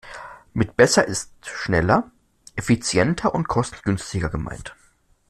Mit besser ist schneller, effizienter und kostengünstiger gemeint.